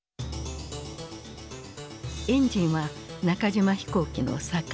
エンジンは中島飛行機の栄。